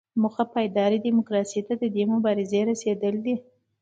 موخه پایداره ډیموکراسۍ ته د دې مبارزې رسیدل دي.